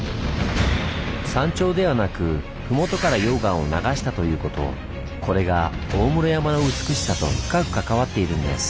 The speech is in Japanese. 山頂ではなくふもとから溶岩を流したということこれが大室山の美しさと深く関わっているんです。